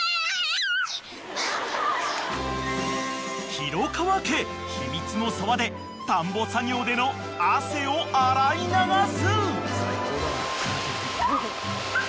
［廣川家秘密の沢で田んぼ作業での汗を洗い流す］